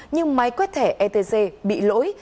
như máy quét thẻ etc bị lỗi